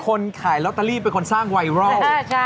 ขายลอตเตอรี่เป็นคนสร้างไวรัล